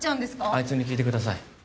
あいつに聞いてください